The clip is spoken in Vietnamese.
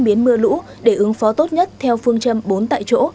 biến mưa lũ để ứng phó tốt nhất theo phương châm bốn tại chỗ